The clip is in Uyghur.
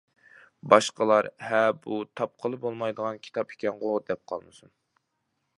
باشقىلار ‹ ‹ھە، بۇ تاپقىلى بولمايدىغان كىتاب ئىكەنغۇ› › دەپ قالمىسۇن!